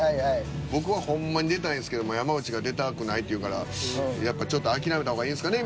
「僕はほんまに出たいんですけど山内が出たくないって言うからやっぱ諦めた方がいいんすかね」